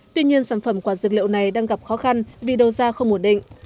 tuy nhiên sản phẩm quả dược liệu này đang gặp khó khăn vì đầu ra không ổn định